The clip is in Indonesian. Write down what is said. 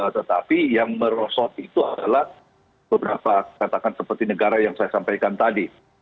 tetapi yang merosot itu adalah beberapa katakan seperti negara yang saya sampaikan tadi